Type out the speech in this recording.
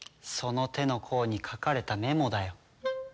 その手の甲に書かれたメモだよ。